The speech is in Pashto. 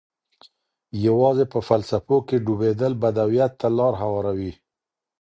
يوازې په فلسفو کي ډوبېدل بدويت ته لاره هواروي.